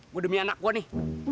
gua demi anak gua nih